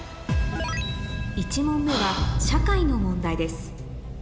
１問目はの問題です